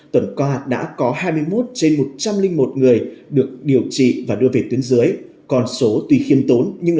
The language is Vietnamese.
tuần qua đã có hai mươi một trên một trăm linh một người được điều trị và đưa về tuyến dưới còn số tuyên tốn nhưng